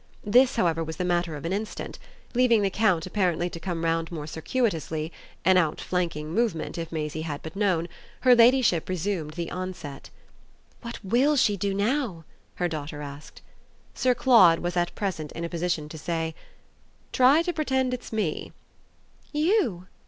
This, however, was the matter of an instant; leaving the Count apparently to come round more circuitously an outflanking movement, if Maisie had but known her ladyship resumed the onset. "What WILL she do now?" her daughter asked. Sir Claude was at present in a position to say: "Try to pretend it's me." "You?"